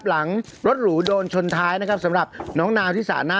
หลังรถหรูโดนชนท้ายนะครับสำหรับน้องนาวที่สาหน้า